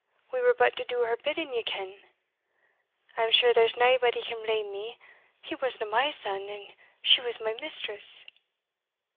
we were but to do her bidding, ye ken. I am sure there's naebody can blame me he wasna my son, and she was my mistress.